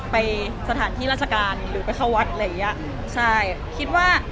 ไปสถานที่ราชการหรือไปเข้าวัดอะไรอย่างนี้